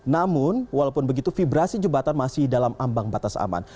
namun walaupun begitu vibrasi jembatan masih dalam ambang batas aman